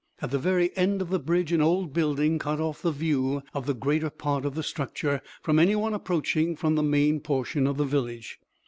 At the very end of the bridge an old building cut off the view of the greater part of the structure from any one approaching from the main portion of the village.